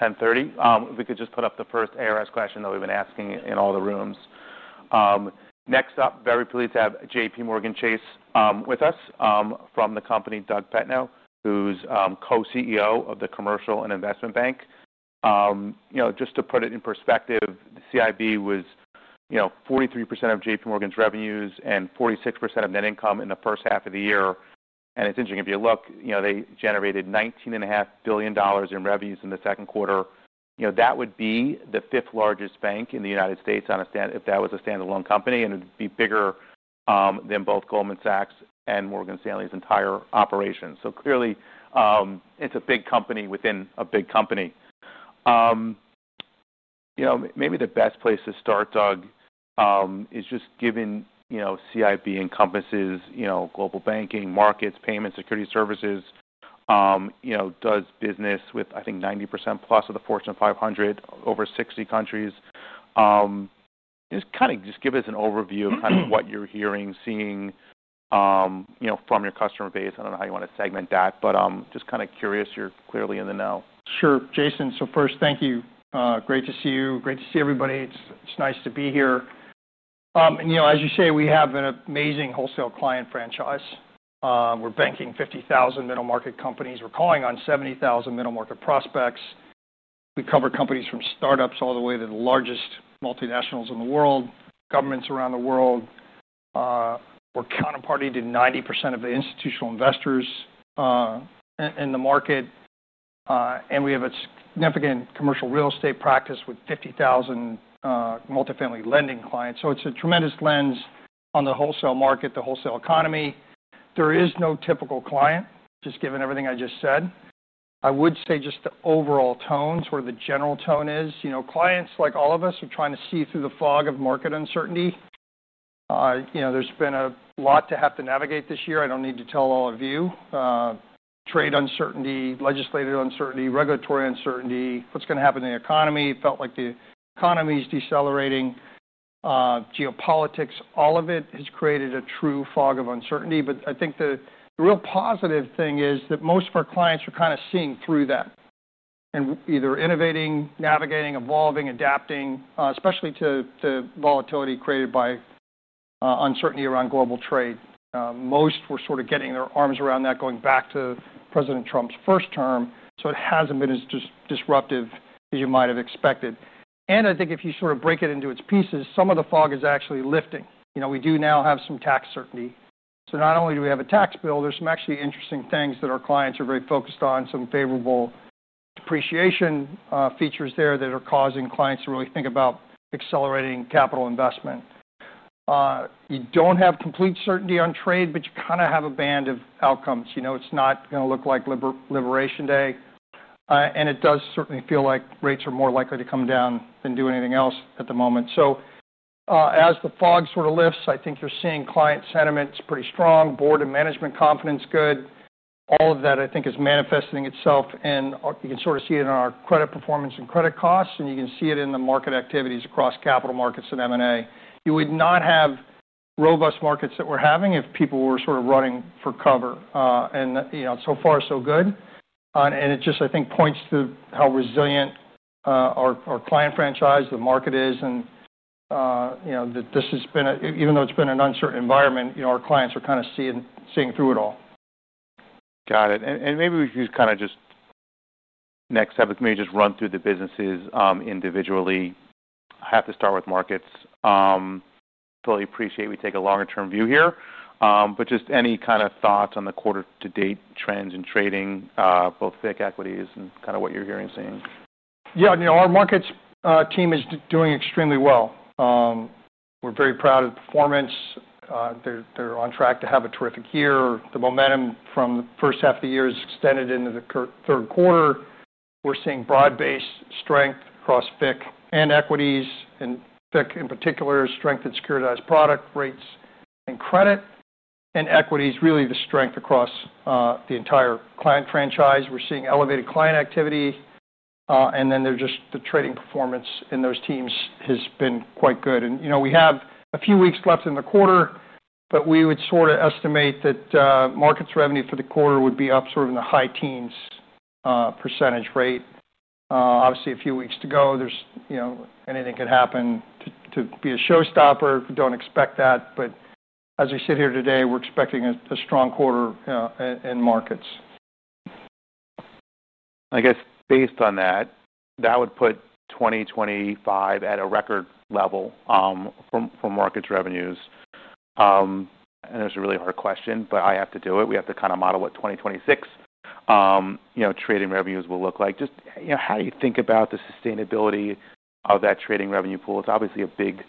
Right, 10:30 A.M. If we could just put up the first ARS question that we've been asking in all the rooms. Next up, very pleased to have JPMorgan Chase & Co. with us from the company, Doug Petno, who's Co-CEO of the Commercial and Investment Bank. Just to put it in perspective, CIB was 43% of JPMorgan's revenues and 46% of net income in the first half of the year. It's interesting, if you look, they generated $19.5 billion in revenues in the second quarter. That would be the fifth largest bank in the United States if that was a standalone company, and it would be bigger than both Goldman Sachs and Morgan Stanley's entire operations. Clearly, it's a big company within a big company. Maybe the best place to start, Doug, is just given CIB encompasses global banking, markets, payments, security services, does business with, I think, 90% plus of the Fortune 500 over 60 countries. Just give us an overview of what you're hearing, seeing from your customer base. I don't know how you want to segment that, but I'm just curious. You're clearly in the know. Sure, Jason. First, thank you. Great to see you. Great to see everybody. It's nice to be here. As you say, we have an amazing wholesale client franchise. We're banking 50,000 middle market companies. We're calling on 70,000 middle market prospects. We cover companies from startups all the way to the largest multinationals in the world, governments around the world. We're counterparty to 90% of the institutional investors in the market. We have a significant commercial real estate practice with 50,000 multifamily lending clients. It's a tremendous lens on the wholesale market, the wholesale economy. There is no typical client, just given everything I just said. I would say just the overall tone, sort of the general tone is, clients like all of us are trying to see through the fog of market uncertainty. There's been a lot to have to navigate this year. I don't need to tell all of you. Trade uncertainty, legislative uncertainty, regulatory uncertainty, what's going to happen to the economy? It felt like the economy's decelerating. Geopolitics, all of it has created a true fog of uncertainty. I think the real positive thing is that most of our clients are kind of seeing through that and either innovating, navigating, evolving, adapting, especially to the volatility created by uncertainty around global trade. Most were sort of getting their arms around that going back to President Trump's first term. It hasn't been as disruptive as you might have expected. If you sort of break it into its pieces, some of the fog is actually lifting. We do now have some tax certainty. Not only do we have a tax bill, there's some actually interesting things that our clients are very focused on, some favorable depreciation features there that are causing clients to really think about accelerating capital investment. You don't have complete certainty on trade, but you kind of have a band of outcomes. It's not going to look like Liberation Day. It does certainly feel like rates are more likely to come down than do anything else at the moment. As the fog sort of lifts, I think you're seeing client sentiment is pretty strong. Board and management confidence is good. All of that, I think, is manifesting itself. You can sort of see it in our credit performance and credit costs. You can see it in the market activities across capital markets and M&A. You would not have robust markets that we're having if people were sort of running for cover. So far, so good. It just, I think, points to how resilient our client franchise, the market is, and that this has been, even though it's been an uncertain environment, our clients are kind of seeing through it all. Got it. Maybe we could just next step, if we may, just run through the businesses individually. I have to start with markets. I fully appreciate we take a longer-term view here. Just any kind of thoughts on the quarter-to-date trends in trading, both equities and kind of what you're hearing and seeing? Yeah, you know, our markets team is doing extremely well. We're very proud of the performance. They're on track to have a terrific year. The momentum from the first half of the year is extended into the third quarter. We're seeing broad-based strength across FIC and equities. FIC in particular is strength in securitized product rates and credit. Equities, really the strength across the entire client franchise. We're seeing elevated client activity. The trading performance in those teams has been quite good. We have a few weeks left in the quarter, but we would sort of estimate that markets revenue for the quarter would be up in the high teens % rate. Obviously, a few weeks to go, anything could happen to be a showstopper. Don't expect that. As we sit here today, we're expecting a strong quarter in markets. I guess based on that, that would put 2025 at a record level for markets revenues. I know it's a really hard question, but I have to do it. We have to kind of model what 2026 trading revenues will look like. How do you think about the sustainability of that trading revenue pool? It's obviously a big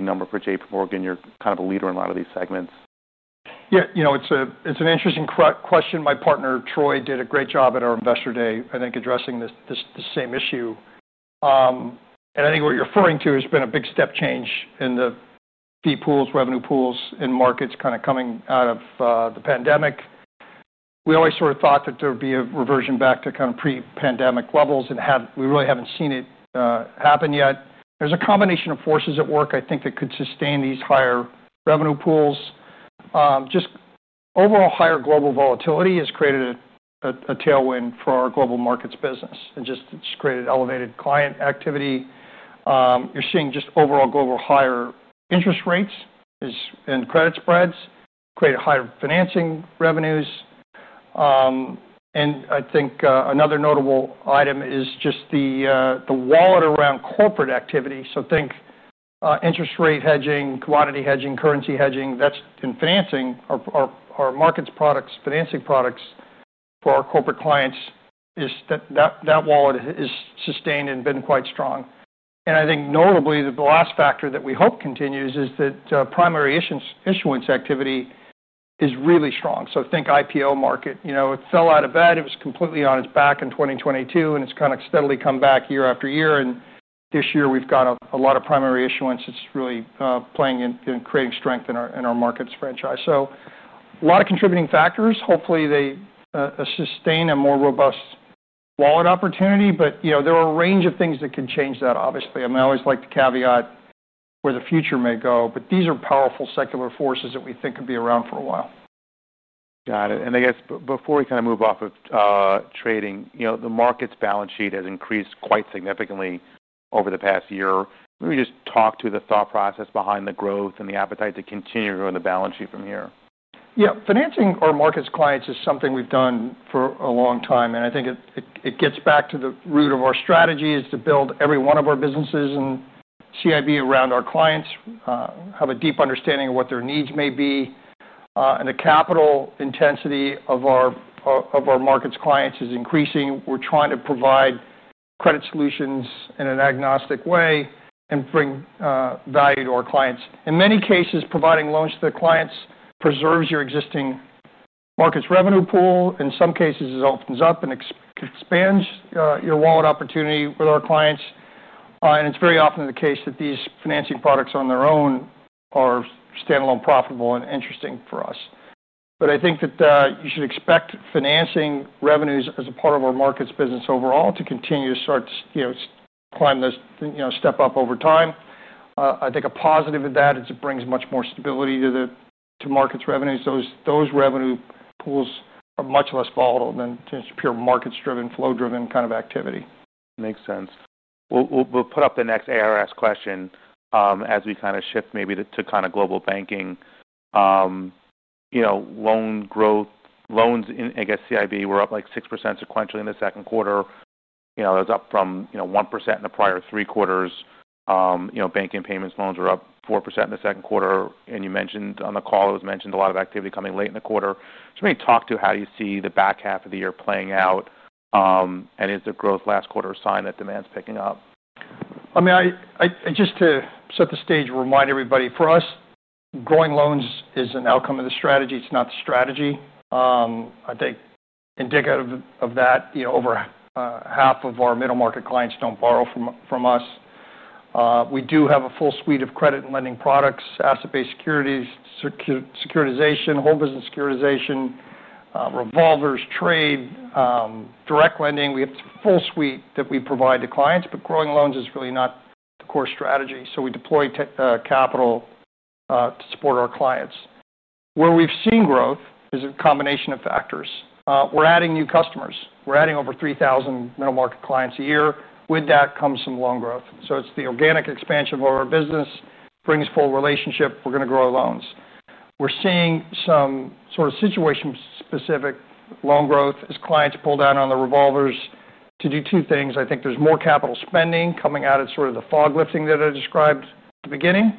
number for JPMorgan Chase & Co. You're kind of a leader in a lot of these segments. Yeah, you know, it's an interesting question. My partner, Troy, did a great job at our Investor Day, I think, addressing this same issue. I think what you're referring to has been a big step change in the fee pools, revenue pools in markets coming out of the pandemic. We always sort of thought that there would be a reversion back to pre-pandemic levels, and we really haven't seen it happen yet. There's a combination of forces at work, I think, that could sustain these higher revenue pools. Just overall higher global volatility has created a tailwind for our global markets business. It's created elevated client activity. You're seeing overall global higher interest rates and credit spreads, which created higher financing revenues. I think another notable item is the wallet around corporate activity. Think interest rate hedging, commodity hedging, currency hedging, that's in financing. Our markets products, financing products for our corporate clients, that wallet is sustained and has been quite strong. I think notably the last factor that we hope continues is that primary issuance activity is really strong. Think IPO market. It fell out of bed. It was completely on its back in 2022. It's steadily come back year after year. This year, we've got a lot of primary issuance. It's really playing and creating strength in our markets franchise. A lot of contributing factors. Hopefully, they sustain a more robust wallet opportunity. There are a range of things that could change that, obviously. I always like to caveat where the future may go. These are powerful secular forces that we think could be around for a while. Got it. Before we kind of move off of trading, you know, the markets balance sheet has increased quite significantly over the past year. Maybe just talk to the thought process behind the growth and the appetite to continue to grow the balance sheet from here. Yeah, financing our markets clients is something we've done for a long time. I think it gets back to the root of our strategy, which is to build every one of our businesses and CIB around our clients, have a deep understanding of what their needs may be. The capital intensity of our markets clients is increasing. We're trying to provide credit solutions in an agnostic way and bring value to our clients. In many cases, providing loans to the clients preserves your existing markets revenue pool. In some cases, it opens up and expands your wallet opportunity with our clients. It's very often the case that these financing products on their own are standalone profitable and interesting for us. I think that you should expect financing revenues as a part of our markets business overall to continue to start to climb this step up over time. A positive of that is it brings much more stability to the markets revenues. Those revenue pools are much less volatile than just pure markets-driven, flow-driven kind of activity. Makes sense. We'll put up the next ARS question as we kind of shift maybe to kind of global banking. You know, loan growth, loans in, I guess, CIB were up like 6% sequentially in the second quarter. That's up from 1% in the prior three quarters. Banking payments loans were up 4% in the second quarter. You mentioned on the call, it was mentioned a lot of activity coming late in the quarter. Just maybe talk to how you see the back half of the year playing out. Is the growth last quarter a sign that demand's picking up? I mean, just to set the stage and remind everybody, for us, growing loans is an outcome of the strategy. It's not the strategy. I think indicative of that, over half of our middle market clients don't borrow from us. We do have a full suite of credit and lending products, asset-based securities, securitization, home business securitization, revolvers, trade, direct lending. We have a full suite that we provide to clients. Growing loans is really not the core strategy. We deploy capital to support our clients. Where we've seen growth is a combination of factors. We're adding new customers. We're adding over 3,000 middle market clients a year. With that comes some loan growth. It's the organic expansion of our business, brings forward relationship. We're going to grow loans. We're seeing some sort of situation-specific loan growth as clients pull down on the revolvers to do two things. I think there's more capital spending coming out of sort of the fog lifting that I described at the beginning.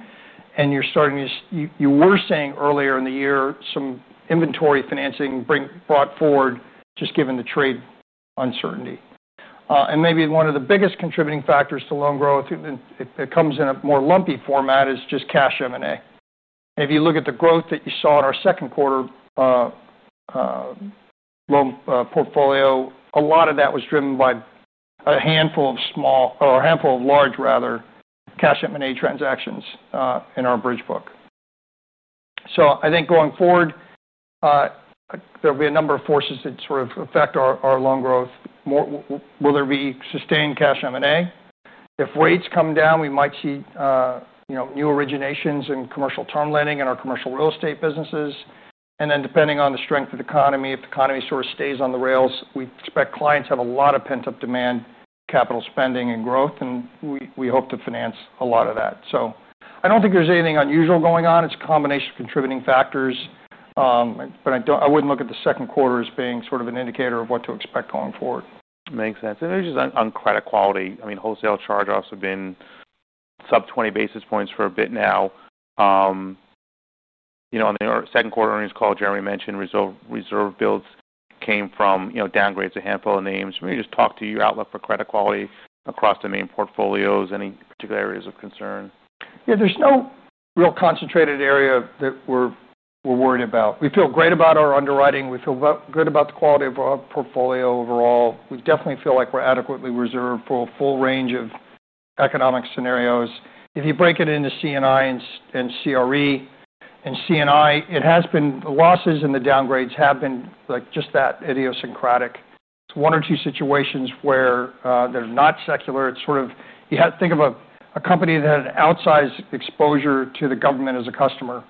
You're starting to, you were saying earlier in the year, see some inventory financing being brought forward just given the trade uncertainty. Maybe one of the biggest contributing factors to loan growth, it comes in a more lumpy format, is just cash M&A. If you look at the growth that you saw in our second quarter loan portfolio, a lot of that was driven by a handful of large cash M&A transactions in our bridge book. I think going forward, there'll be a number of forces that affect our loan growth. Will there be sustained cash M&A? If rates come down, we might see new originations in commercial term lending and our commercial real estate businesses. Depending on the strength of the economy, if the economy stays on the rails, we expect clients have a lot of pent-up demand, capital spending, and growth. We hope to finance a lot of that. I don't think there's anything unusual going on. It's a combination of contributing factors. I wouldn't look at the second quarter as being an indicator of what to expect going forward. Makes sense. There's just on credit quality. I mean, wholesale charge-offs have been sub-20 bps for a bit now. On the second quarter earnings call, Jeremy Barnum mentioned reserve builds came from downgrades, a handful of names. Maybe just talk to your outlook for credit quality across the main portfolios. Any particular areas of concern? Yeah, there's no real concentrated area that we're worried about. We feel great about our underwriting. We feel good about the quality of our portfolio overall. We definitely feel like we're adequately reserved for a full range of economic scenarios. If you break it into CNI and CRE, in CNI, the losses and the downgrades have been just that idiosyncratic. One or two situations where they're not secular. You have to think of a company that had outsized exposure to the government as a customer,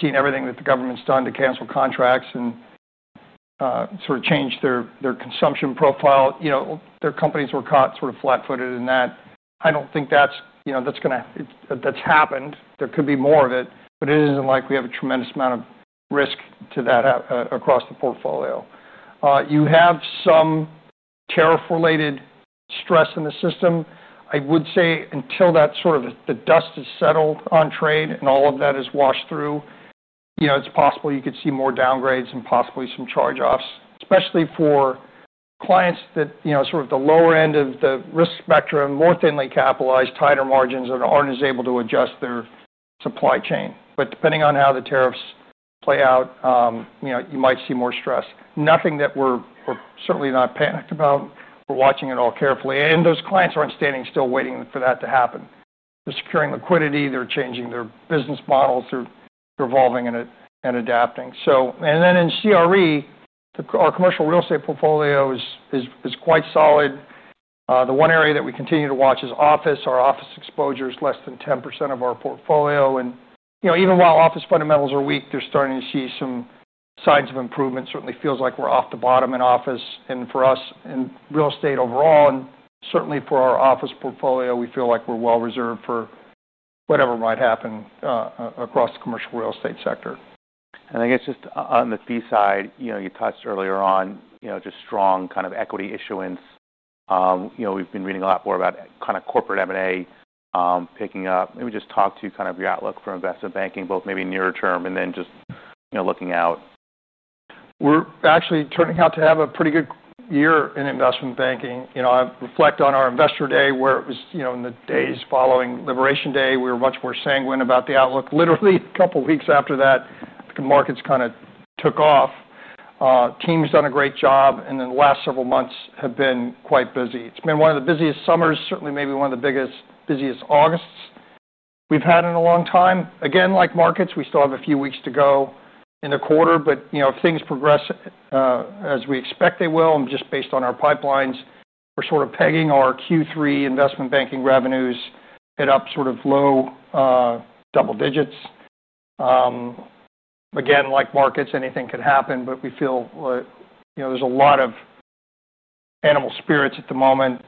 seen everything that the government's done to cancel contracts and change their consumption profile. Their companies were caught flat-footed in that. I don't think that's going to, that's happened. There could be more of it. It isn't like we have a tremendous amount of risk to that across the portfolio. You have some tariff-related stress in the system. I would say until the dust is settled on trade and all of that is washed through, it's possible you could see more downgrades and possibly some charge-offs, especially for clients at the lower end of the risk spectrum, more thinly capitalized, tighter margins that aren't as able to adjust their supply chain. Depending on how the tariffs play out, you might see more stress. Nothing that we're certainly not panicked about. We're watching it all carefully. Those clients aren't standing still waiting for that to happen. They're securing liquidity. They're changing their business models. They're evolving and adapting. In CRE, our commercial real estate portfolio is quite solid. The one area that we continue to watch is office. Our office exposure is less than 10% of our portfolio. Even while office fundamentals are weak, they're starting to see some signs of improvement. It certainly feels like we're off the bottom in office and for us in real estate overall. For our office portfolio, we feel like we're well reserved for whatever might happen across the commercial real estate sector. I guess just on the fee side, you touched earlier on just strong kind of equity issuance. We've been reading a lot more about kind of corporate M&A picking up. Maybe just talk to your outlook for investment banking, both maybe near-term and then just looking out. We're actually turning out to have a pretty good year in investment banking. I reflect on our investor day where it was in the days following Liberation Day. We were much more sanguine about the outlook. Literally, a couple of weeks after that, the markets kind of took off. Team's done a great job. The last several months have been quite busy. It's been one of the busiest summers, certainly maybe one of the busiest Augusts we've had in a long time. Like markets, we still have a few weeks to go in the quarter. If things progress as we expect they will, and just based on our pipelines, we're sort of pegging our Q3 investment banking revenues at up sort of low double digits. Like markets, anything could happen. We feel like there's a lot of animal spirits at the moment.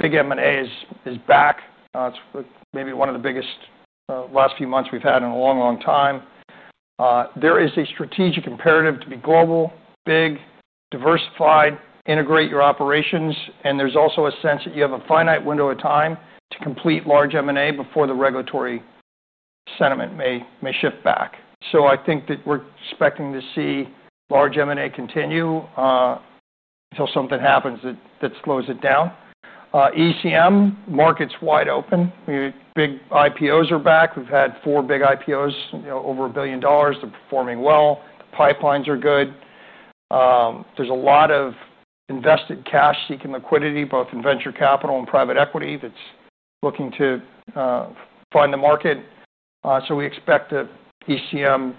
Big M&A is back. It's maybe one of the biggest last few months we've had in a long, long time. There is a strategic imperative to be global, big, diversified, integrate your operations. There's also a sense that you have a finite window of time to complete large M&A before the regulatory sentiment may shift back. I think that we're expecting to see large M&A continue until something happens that slows it down. ECM, market's wide open. Big IPOs are back. We've had four big IPOs, over $1 billion. They're performing well. Pipelines are good. There's a lot of invested cash-seeking liquidity, both in venture capital and private equity that's looking to fund the market. We expect the ECM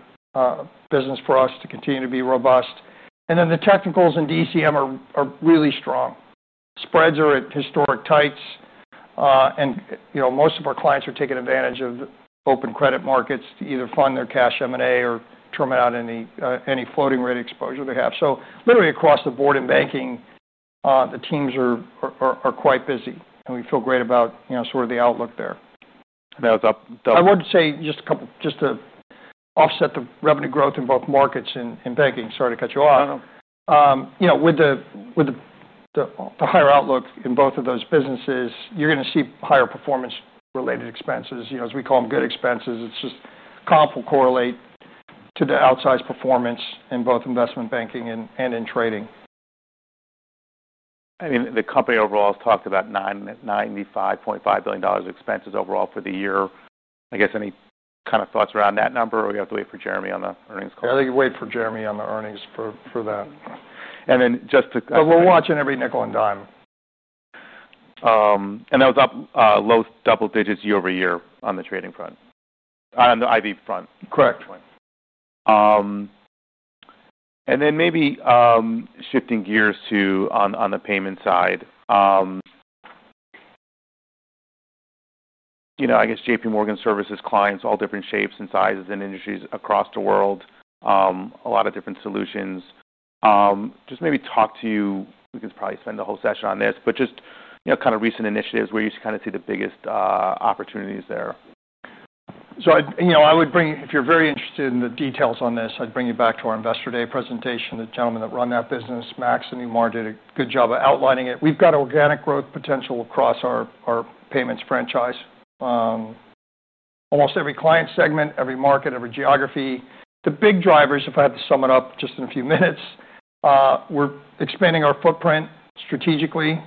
business for us to continue to be robust. The technicals in ECM are really strong. Spreads are at historic tights. Most of our clients are taking advantage of open credit markets to either fund their cash M&A or term it out in any floating rate exposure they have. Literally across the board in banking, the teams are quite busy. We feel great about the outlook there. I wouldn't say just a couple, just to offset the revenue growth in both markets in banking. Sorry to cut you off. You know, with the higher outlook in both of those businesses, you're going to see higher performance-related expenses, as we call them good expenses. It's just comp will correlate to the outsized performance in both investment banking and in trading. I mean, the company overall has talked about $95.5 billion in expenses overall for the year. I guess any kind of thoughts around that number, or we have to wait for Jeremy on the earnings call? I think we wait for Jeremy Barnum on the earnings for that. Just to. We are watching every nickel and dime. That was up low double digits year over year on the trading front, on the IB front. Correct. Maybe shifting gears to the payment side, JPMorgan Chase & Co. services clients of all different shapes and sizes and industries across the world, with a lot of different solutions. Just maybe talk to you, we could probably spend the whole session on this, but just, you know, kind of recent initiatives where you kind of see the biggest opportunities there. If you're very interested in the details on this, I'd bring you back to our investor day presentation. The gentleman that runs that business, Max, did a good job of outlining it. We've got organic growth potential across our payments franchise in almost every client segment, every market, every geography. The big drivers, if I had to sum it up just in a few minutes, are that we're expanding our footprint strategically.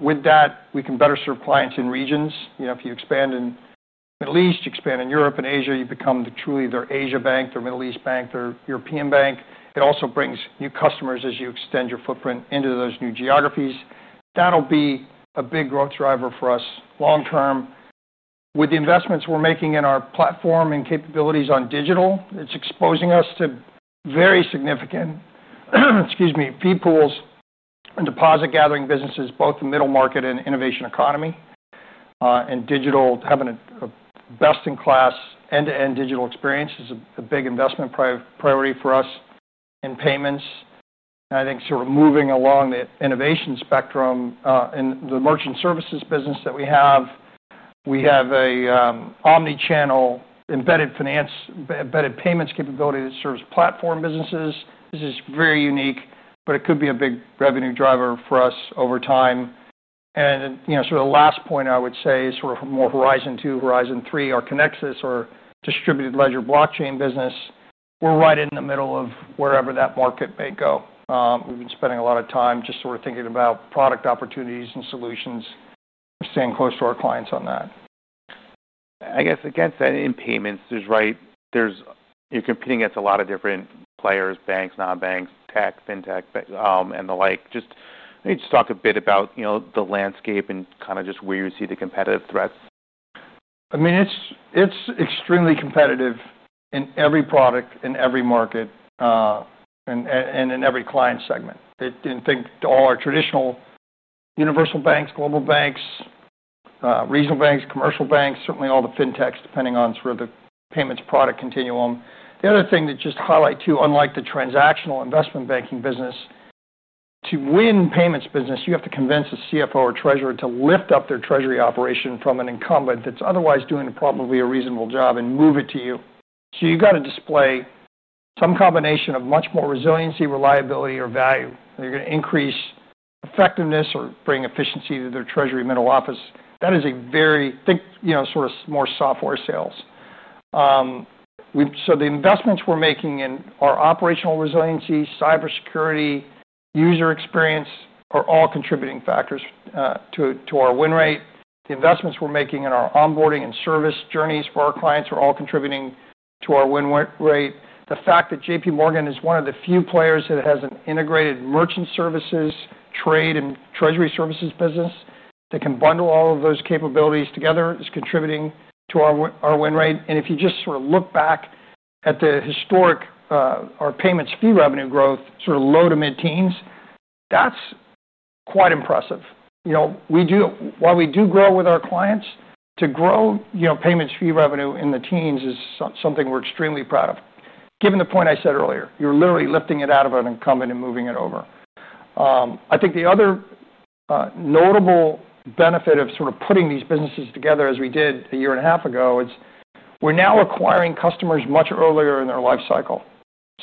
With that, we can better serve clients in regions. If you expand in the Middle East, you expand in Europe and Asia, you become truly their Asia bank, their Middle East bank, their European bank. It also brings new customers as you extend your footprint into those new geographies. That will be a big growth driver for us long term. With the investments we're making in our platform and capabilities on digital, it's exposing us to very significant fee pools and deposit gathering businesses, both the middle market and innovation economy. Digital, having a best-in-class end-to-end digital experience, is a big investment priority for us in payments. I think moving along the innovation spectrum in the merchant services business that we have, we have an omnichannel embedded finance, embedded payments capability that serves platform businesses. This is very unique, but it could be a big revenue driver for us over time. The last point I would say is more Horizon 2, Horizon 3, our Connexus or distributed ledger blockchain business. We're right in the middle of wherever that market may go. We've been spending a lot of time thinking about product opportunities and solutions. We're staying close to our clients on that. I guess, again, in payments, there's, right, you're competing against a lot of different players, banks, non-banks, tech, fintech, and the like. I need to talk a bit about, you know, the landscape and kind of just where you see the competitive threats. I mean, it's extremely competitive in every product, in every market, and in every client segment. I think all our traditional universal banks, global banks, regional banks, commercial banks, certainly all the fintechs, depending on sort of the payments product continuum. The other thing to just highlight too, unlike the transactional investment banking business, to win payments business, you have to convince a CFO or treasurer to lift up their treasury operation from an incumbent that's otherwise doing probably a reasonable job and move it to you. You've got to display some combination of much more resiliency, reliability, or value. You're going to increase effectiveness or bring efficiency to their treasury middle office. That is a very, you know, sort of more software sales. The investments we're making in our operational resiliency, cybersecurity, user experience are all contributing factors to our win rate. The investments we're making in our onboarding and service journeys for our clients are all contributing to our win rate. The fact that JPMorgan Chase & Co. is one of the few players that has an integrated merchant services, trade, and treasury services business that can bundle all of those capabilities together is contributing to our win rate. If you just sort of look back at the historic payments fee revenue growth, sort of low to mid-teens, that's quite impressive. We do, while we do grow with our clients, to grow payments fee revenue in the teens is something we're extremely proud of. Given the point I said earlier, you're literally lifting it out of an incumbent and moving it over. I think the other notable benefit of sort of putting these businesses together, as we did a year and a half ago, is we're now acquiring customers much earlier in their life cycle.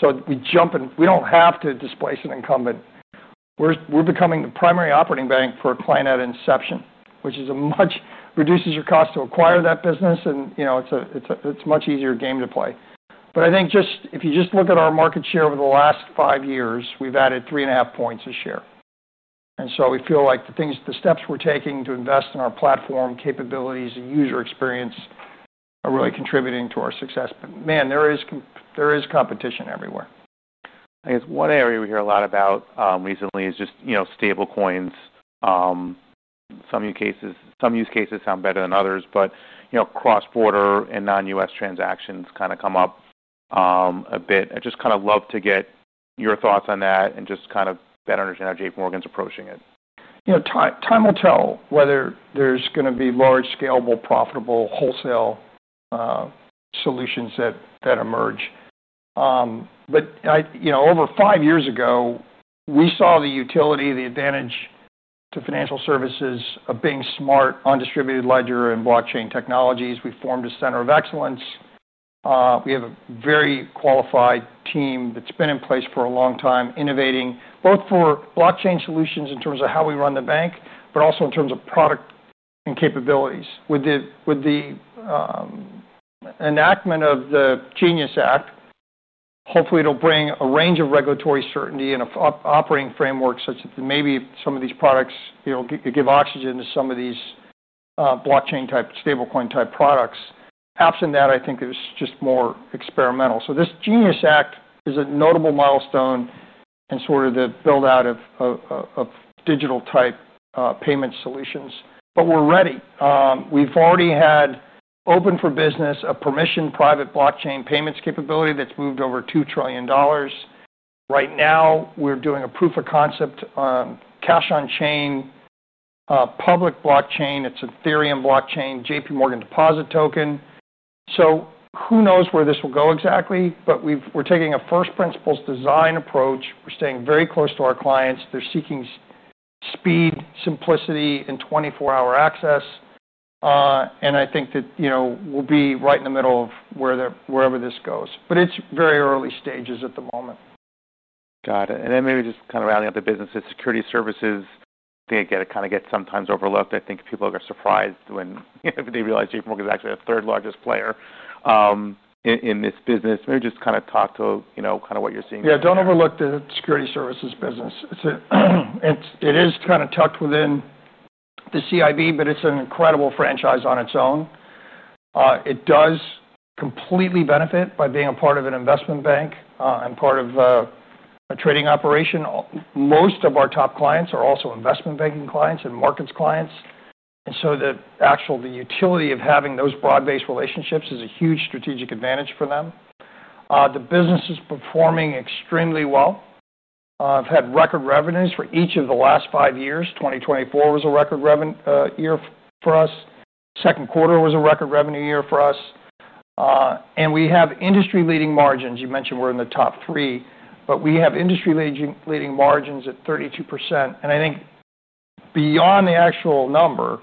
We jump in, we don't have to displace an incumbent. We're becoming the primary operating bank for a client at inception, which reduces your cost to acquire that business. It's a much easier game to play. If you just look at our market share over the last five years, we've added 3.5 points of share. We feel like the steps we're taking to invest in our platform capabilities and user experience are really contributing to our success. There is competition everywhere. I guess one area we hear a lot about recently is just, you know, stable coins. Some use cases sound better than others, but, you know, cross-border and non-U.S. transactions kind of come up a bit. I just love to get your thoughts on that and just better understand how JPMorgan Chase & Co.'s approaching it. You know, time will tell whether there's going to be large, scalable, profitable wholesale solutions that emerge. Over five years ago, we saw the utility, the advantage to financial services of being smart on distributed ledger and blockchain technologies. We formed a center of excellence. We have a very qualified team that's been in place for a long time, innovating both for blockchain solutions in terms of how we run the bank, but also in terms of product and capabilities. With the enactment of the GENIUS Act, hopefully it'll bring a range of regulatory certainty and operating frameworks such that maybe some of these products, it'll give oxygen to some of these blockchain-type, stablecoin-type products. Absent that, I think it was just more experimental. This GENIUS Act is a notable milestone in the build-out of digital-type payment solutions. We're ready. We've already had open for business a permissioned private blockchain payments capability that's moved over $2 trillion. Right now, we're doing a proof of concept on cash on chain, public blockchain. It's Ethereum blockchain, JPMorgan deposit token. Who knows where this will go exactly, but we're taking a first principles design approach. We're staying very close to our clients. They're seeking speed, simplicity, and 24-hour access. I think that we'll be right in the middle of wherever this goes. It's very early stages at the moment. Got it. Maybe just kind of adding other businesses, security services. I think it gets sometimes overlooked. I think people are surprised when they realize JPMorgan Chase & Co. is actually the third largest player in this business. Maybe just kind of talk to what you're seeing. Yeah, don't overlook the security services business. It is kind of tucked within the CIB, but it's an incredible franchise on its own. It does completely benefit by being a part of an investment bank and part of a trading operation. Most of our top clients are also investment banking clients and markets clients. The actual utility of having those broad-based relationships is a huge strategic advantage for them. The business is performing extremely well. I've had record revenues for each of the last five years. 2024 was a record year for us. The second quarter was a record revenue year for us. We have industry-leading margins. You mentioned we're in the top three, but we have industry-leading margins at 32%. I think beyond the actual number,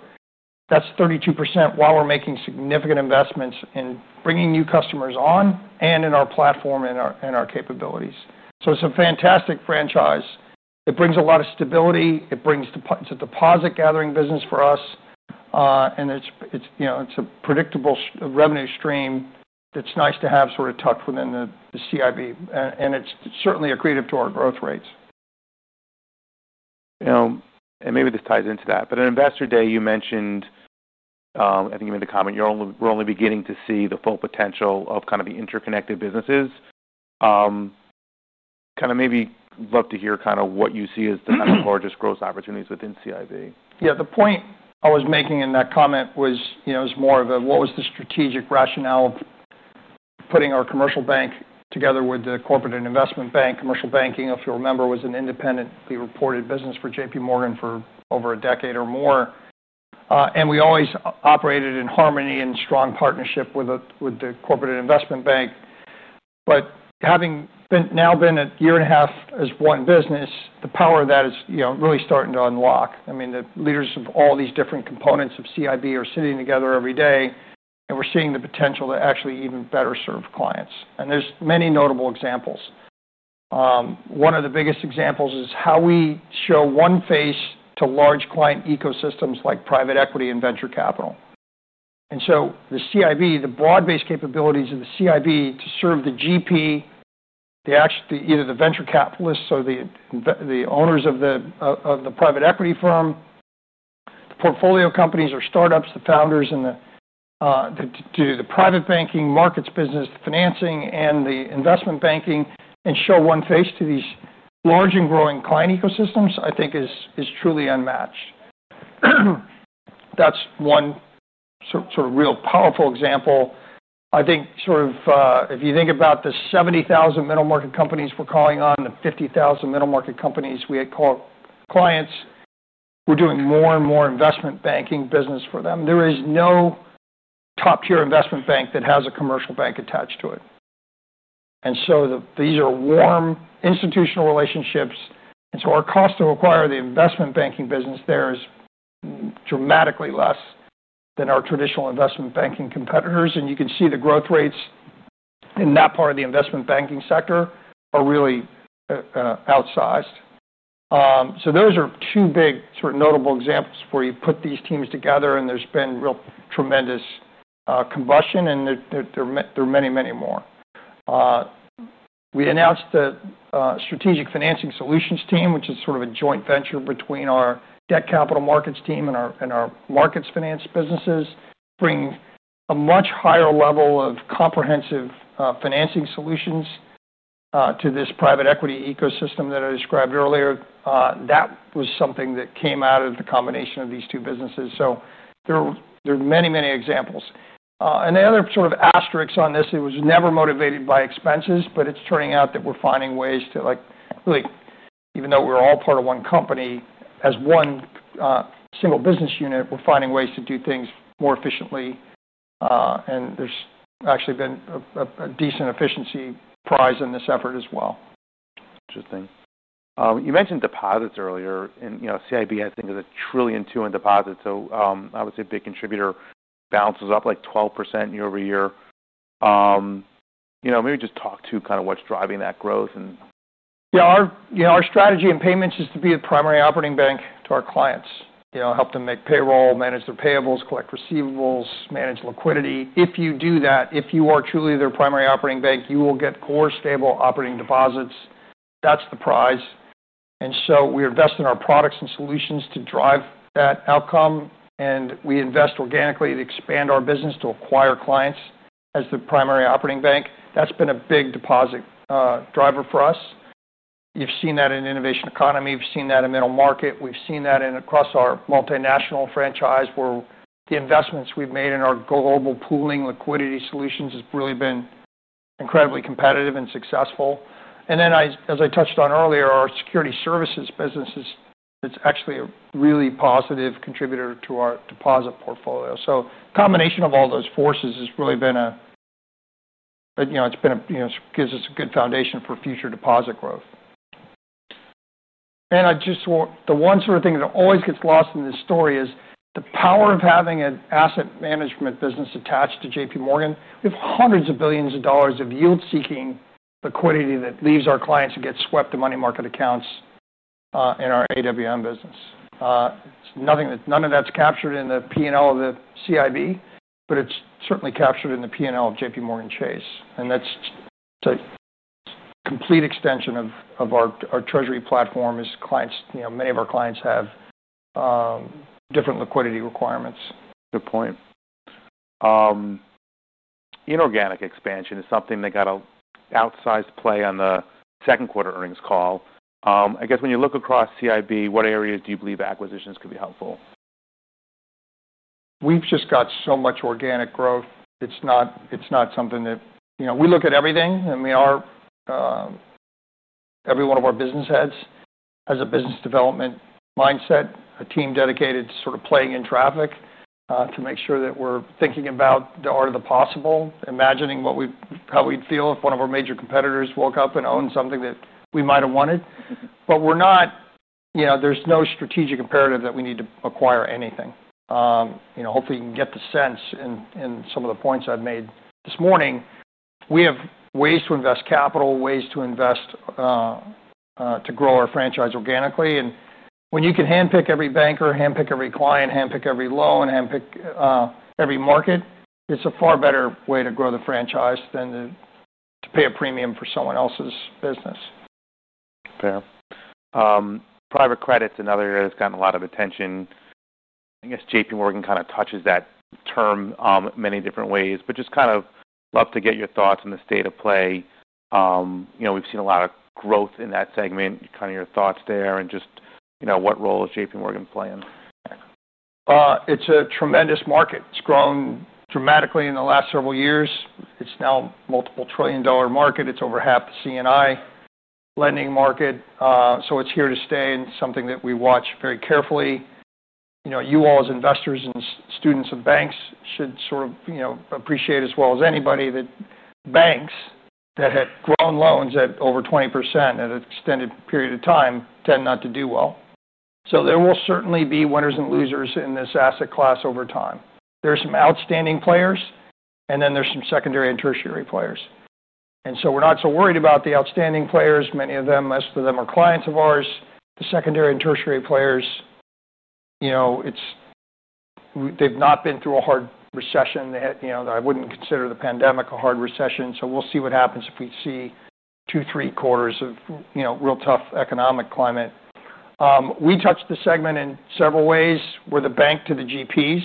that's 32% while we're making significant investments in bringing new customers on and in our platform and our capabilities. It's a fantastic franchise. It brings a lot of stability. It brings to, it's a deposit gathering business for us. It's a predictable revenue stream that's nice to have sort of tucked within the CIB. It's certainly accretive to our growth rates. You know, maybe this ties into that, but at Investor Day, you mentioned, I think you made the comment, we're only beginning to see the full potential of the interconnected businesses. Maybe love to hear what you see as the next largest growth opportunities within CIB. Yeah, the point I was making in that comment was, you know, it was more of a, what was the strategic rationale of putting our commercial bank together with the Corporate and Investment Bank? Commercial banking, if you remember, was an independently reported business for JPMorgan Chase & Co. for over a decade or more. We always operated in harmony and strong partnership with the Corporate and Investment Bank. Having now been a year and a half as one business, the power of that is really starting to unlock. The leaders of all these different components of CIB are sitting together every day. We're seeing the potential to actually even better serve clients. There are many notable examples. One of the biggest examples is how we show one face to large client ecosystems like private equity and venture capital. The CIB, the broad-based capabilities of the CIB to serve the GP, the actual, either the venture capitalists or the owners of the private equity firm, the portfolio companies or startups, the founders and the private banking, markets business, financing, and the investment banking, and show one face to these large and growing client ecosystems, I think is truly unmatched. That's one sort of real powerful example. If you think about the 70,000 middle market companies we're calling on, the 50,000 middle market companies we had called clients, we're doing more and more investment banking business for them. There is no top-tier investment bank that has a commercial bank attached to it. These are warm institutional relationships. Our cost to acquire the investment banking business there is dramatically less than our traditional investment banking competitors. You can see the growth rates in that part of the investment banking sector are really outsized. Those are two big sort of notable examples where you put these teams together, and there's been real tremendous combustion, and there are many, many more. We announced the Strategic Financing Solutions team, which is sort of a joint venture between our debt capital markets team and our markets finance businesses, bringing a much higher level of comprehensive financing solutions to this private equity ecosystem that I described earlier. That was something that came out of the combination of these two businesses. There are many, many examples. The other sort of asterisk on this, it was never motivated by expenses, but it's turning out that we're finding ways to like, really, even though we're all part of one company, as one single business unit, we're finding ways to do things more efficiently. There's actually been a decent efficiency prize in this effort as well. Interesting. You mentioned deposits earlier, and you know, CIB, I think, is a trillion to a deposit. Obviously a big contributor, balances up like 12% year over year. Maybe just talk to kind of what's driving that growth. Yeah, our strategy in payments is to be the primary operating bank to our clients, you know, help them make payroll, manage their payables, collect receivables, manage liquidity. If you do that, if you are truly their primary operating bank, you will get core stable operating deposits. That's the prize. We invest in our products and solutions to drive that outcome. We invest organically to expand our business to acquire clients as the primary operating bank. That's been a big deposit driver for us. You've seen that in innovation economy. You've seen that in the middle market. We've seen that across our multinational franchise where the investments we've made in our global pooling liquidity solutions have really been incredibly competitive and successful. As I touched on earlier, our security services business is actually a really positive contributor to our deposit portfolio. A combination of all those forces has really been a, you know, gives us a good foundation for future deposit growth. The one sort of thing that always gets lost in this story is the power of having an asset management business attached to JPMorgan. We have hundreds of billions of dollars of yield-seeking liquidity that leaves our clients and gets swept to money market accounts in our AWM business. None of that's captured in the P&L of the CIB, but it's certainly captured in the P&L of JPMorgan Chase. That's a complete extension of our treasury platform as clients, you know, many of our clients have different liquidity requirements. Good point. Inorganic expansion is something that got an outsized play on the second quarter earnings call. I guess when you look across CIB, what areas do you believe acquisitions could be helpful? We've just got so much organic growth. It's not something that, you know, we look at everything. I mean, every one of our business heads has a business development mindset, a team dedicated to sort of playing in traffic to make sure that we're thinking about the art of the possible, imagining how we'd feel if one of our major competitors woke up and owned something that we might have wanted. There's no strategic imperative that we need to acquire anything. Hopefully you can get the sense in some of the points I've made this morning. We have ways to invest capital, ways to invest to grow our franchise organically. When you can handpick every banker, handpick every client, handpick every loan, handpick every market, it's a far better way to grow the franchise than to pay a premium for someone else's business. Fair. Private credit's another area that's gotten a lot of attention. I guess JPMorgan kind of touches that term in many different ways, but just love to get your thoughts on the state of play. We've seen a lot of growth in that segment. Your thoughts there and what role is JPMorgan playing? It's a tremendous market. It's grown dramatically in the last several years. It's now a multiple trillion dollar market. It's over half the C&I lending market. It's here to stay and something that we watch very carefully. You all as investors and students of banks should appreciate as well as anybody that banks that had grown loans at over 20% at an extended period of time tend not to do well. There will certainly be winners and losers in this asset class over time. There are some outstanding players, and then there's some secondary and tertiary players. We're not so worried about the outstanding players. Many of them, most of them, are clients of ours. The secondary and tertiary players, they've not been through a hard recession. I wouldn't consider the pandemic a hard recession. We'll see what happens if we see two, three quarters of real tough economic climate. We touch the segment in several ways where the bank to the GPs.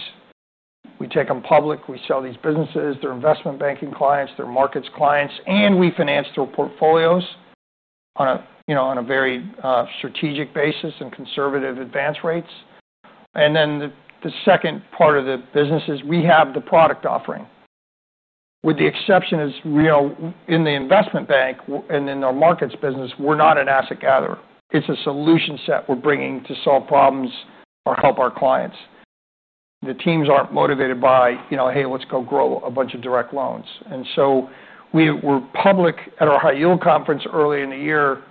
We take them public. We sell these businesses, they're investment banking clients, they're markets clients, and we finance their portfolios on a very strategic basis and conservative advance rates. The second part of the business is we have the product offering. With the exception is, in the investment bank and in our markets business, we're not an asset gatherer. It's a solution set we're bringing to solve problems or help our clients. The teams aren't motivated by, hey, let's go grow a bunch of direct loans. We were public at our high yield conference early in the year.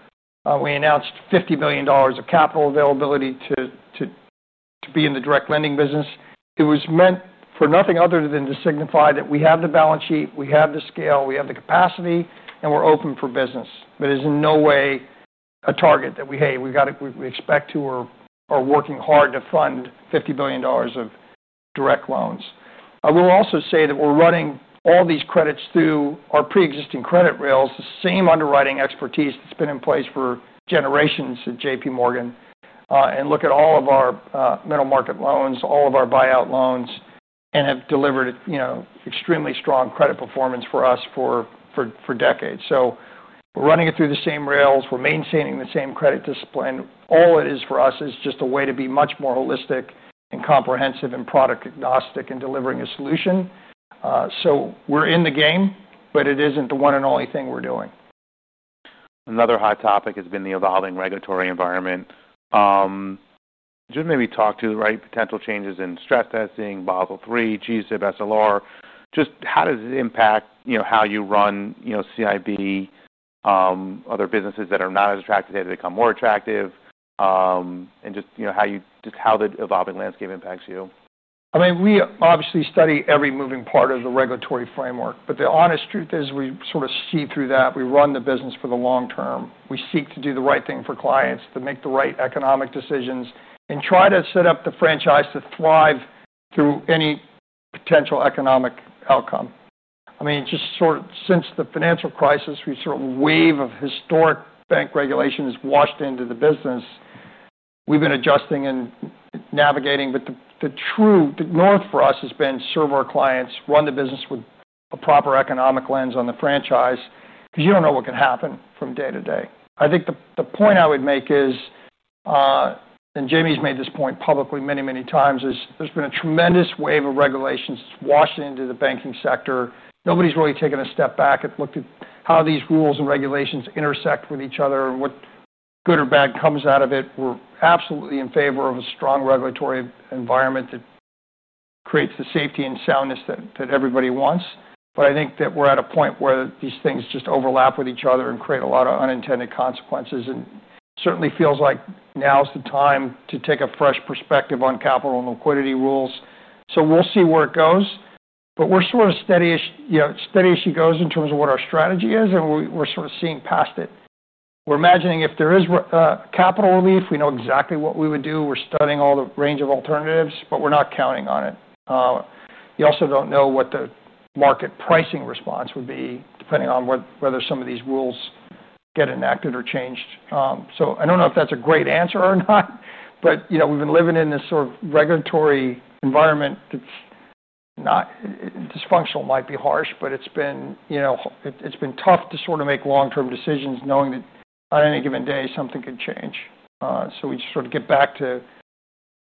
We announced $50 million of capital availability to be in the direct lending business. It was meant for nothing other than to signify that we have the balance sheet, we have the scale, we have the capacity, and we're open for business. It is in no way a target that we, hey, we've got to, we expect to, or are working hard to fund $50 million of direct loans. I will also say that we're running all these credits through our pre-existing credit rails, the same underwriting expertise that's been in place for generations at JPMorgan Chase & Co., and look at all of our middle market loans, all of our buyout loans, and have delivered extremely strong credit performance for us for decades. We're running it through the same rails. We're maintaining the same credit discipline. All it is for us is just a way to be much more holistic and comprehensive and product agnostic in delivering a solution. We're in the game, but it isn't the one and only thing we're doing. Another hot topic has been the evolving regulatory environment. Maybe talk to the right potential changes in stress testing, Basel 3, GSIB, SLR. How does it impact how you run CIB, other businesses that are not as attractive today to become more attractive, and how the evolving landscape impacts you? I mean, we obviously study every moving part of the regulatory framework, but the honest truth is we sort of see through that. We run the business for the long term. We seek to do the right thing for clients, to make the right economic decisions, and try to set up the franchise to thrive through any potential economic outcome. I mean, just sort of since the financial crisis, we sort of wave of historic bank regulation has washed into the business. We've been adjusting and navigating, but the true north for us has been serve our clients, run the business with a proper economic lens on the franchise, because you don't know what can happen from day to day. I think the point I would make is, and Jamie's made this point publicly many, many times, there's been a tremendous wave of regulations washed into the banking sector. Nobody's really taken a step back and looked at how these rules and regulations intersect with each other and what good or bad comes out of it. We're absolutely in favor of a strong regulatory environment that creates the safety and soundness that everybody wants. I think that we're at a point where these things just overlap with each other and create a lot of unintended consequences. It certainly feels like now's the time to take a fresh perspective on capital and liquidity rules. We'll see where it goes. We're sort of steady as she goes in terms of what our strategy is, and we're sort of seeing past it. We're imagining if there is a capital relief, we know exactly what we would do. We're studying all the range of alternatives, but we're not counting on it. You also don't know what the market pricing response would be, depending on whether some of these rules get enacted or changed. I don't know if that's a great answer or not, but you know, we've been living in this sort of regulatory environment that's not dysfunctional, might be harsh, but it's been tough to sort of make long-term decisions knowing that on any given day something could change. We just sort of get back to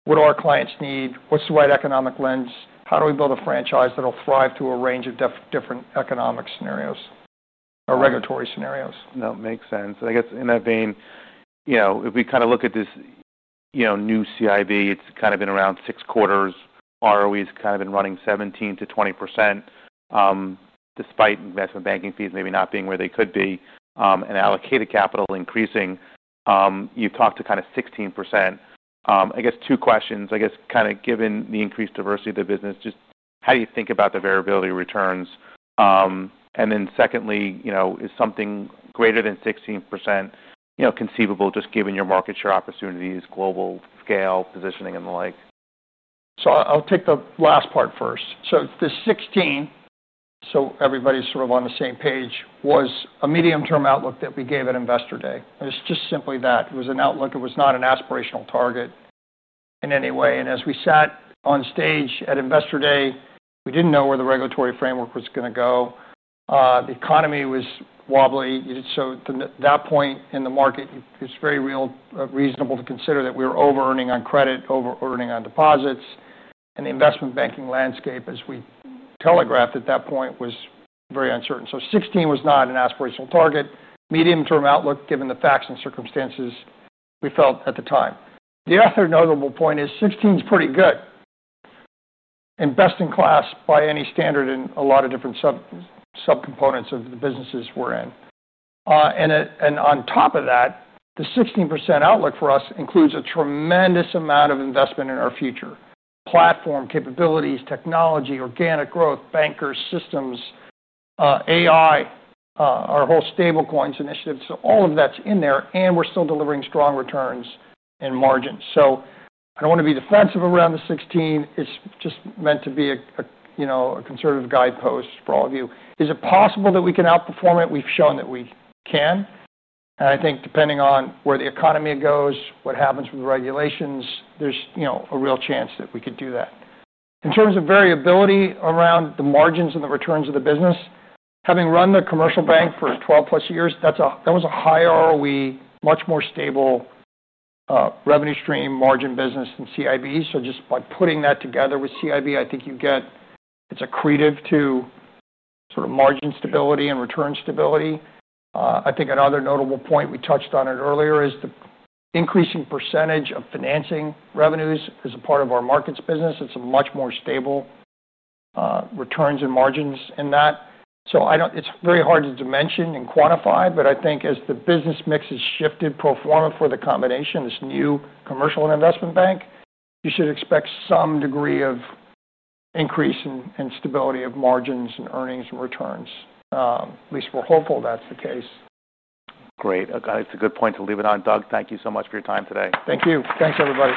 what our clients need, what's the right economic lens, how do we build a franchise that'll thrive through a range of different economic scenarios or regulatory scenarios? No, it makes sense. I guess in that vein, if we kind of look at this new CIB, it's kind of been around six quarters. ROE has kind of been running 17 to 20%, despite investment banking fees maybe not being where they could be, and allocated capital increasing. You've talked to kind of 16%. I guess two questions. Given the increased diversity of the business, just how do you think about the variability of returns? Secondly, is something greater than 16% conceivable, just given your market share opportunities, global scale positioning, and the like? I'll take the last part first. The 16, so everybody's sort of on the same page, was a medium-term outlook that we gave at investor day. It was just simply that. It was an outlook. It was not an aspirational target in any way. As we sat on stage at investor day, we didn't know where the regulatory framework was going to go. The economy was wobbly. At that point in the market, it's very reasonable to consider that we were over-earning on credit, over-earning on deposits. The investment banking landscape, as we telegraphed at that point, was very uncertain. Sixteen was not an aspirational target. Medium-term outlook, given the facts and circumstances we felt at the time. Another notable point is 16 is pretty good and best in class by any standard in a lot of different subcomponents of the businesses we're in. On top of that, the 16% outlook for us includes a tremendous amount of investment in our future: platform capabilities, technology, organic growth, bankers, systems, AI, our whole stablecoins initiative. All of that's in there, and we're still delivering strong returns in margins. I don't want to be defensive around the 16. It's just meant to be a, you know, a conservative guidepost for all of you. Is it possible that we can outperform it? We've shown that we can. I think depending on where the economy goes, what happens with regulations, there's, you know, a real chance that we could do that. In terms of variability around the margins and the returns of the business, having run the commercial bank for 12 plus years, that was a high ROE, much more stable revenue stream margin business than CIB. By putting that together with CIB, I think you get, it's accretive to sort of margin stability and return stability. I think another notable point we touched on earlier is the increasing percentage of financing revenues as a part of our markets business. It's much more stable returns and margins in that. It's very hard to dimension and quantify, but I think as the business mix has shifted pro forma for the combination, this new commercial and investment bank, you should expect some degree of increase in stability of margins and earnings and returns. At least we're hopeful that's the case. Great. I think it's a good point to leave it on. Doug, thank you so much for your time today. Thank you. Thanks, everybody.